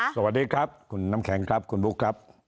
สวัสดีครับคุณน้ำแข็งครับคุณบุ๊คครับ